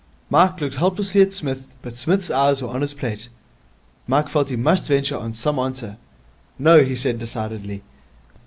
Mike looked helplessly at Psmith, but Psmith's eyes were on his plate. Mike felt he must venture on some answer. 'No,' he said decidedly.